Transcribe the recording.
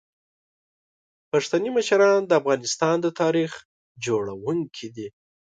پښتني مشران د افغانستان د تاریخ جوړونکي دي.